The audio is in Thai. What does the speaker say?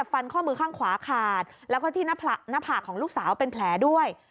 ข้อมือข้างขวาขาดแล้วก็ที่หน้าผากของลูกสาวเป็นแผลด้วย